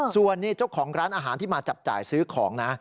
ส่วนเจ้าของร้านอาหารที่มาจับจ่ายซื้อของนะ